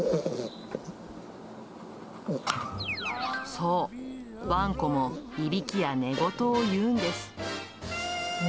そう、ワンコもいびきや寝言を言うんです。